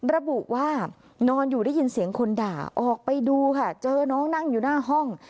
ระบุว่านอนอยู่ได้ยินเสียงคนด่าออกไปดูค่ะเจอน้องนั่งอยู่หน้าห้อง